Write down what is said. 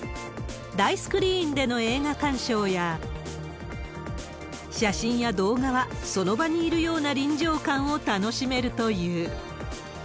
大スクリーンでの映画鑑賞や、写真や動画はその場にいるような臨場感を楽しめるという。